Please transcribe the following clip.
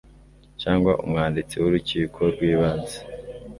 cyangwa Umwanditsi w Urukiko rw Ibanze